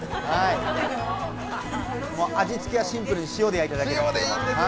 味付けはシンプルに塩で焼いただけです。